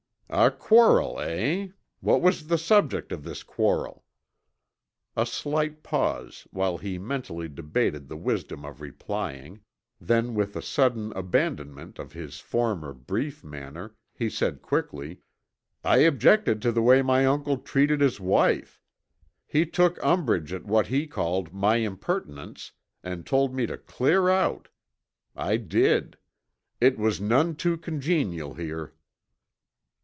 "A quarrel, eh? What was the subject of this quarrel?" A slight pause while he mentally debated the wisdom of replying, then with a sudden abandonment of his former brief manner, he said quickly: "I objected to the way my uncle treated his wife. He took umbrage at what he called my impertinence and told me to clear out. I did. It was none too congenial here."